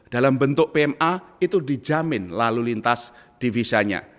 dalam bentuk pma itu dijamin lalu lintas divisanya